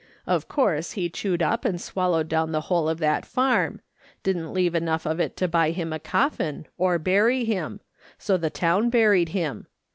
Of course, he chewed up and swallowed down the whole of that farm ; didn't leave enougli of it to buy him a coffin, or bury him ; so the town buried him.